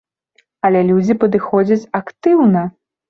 Але людзі падыходзяць актыўна.